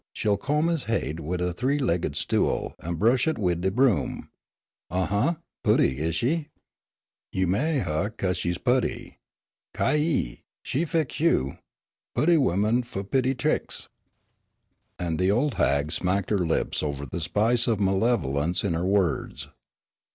She'll comb his haid wid a three legged stool an' bresh it wid de broom. Uh, huh putty, is she? You ma'y huh 'cause she putty. Ki yi! She fix you! Putty women fu' putty tricks." And the old hag smacked her lips over the spice of malevolence in her words.